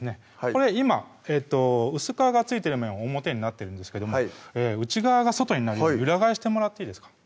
これ今薄皮が付いてる面表になってるんですけども内側が外になるように裏返してもらっていいですか？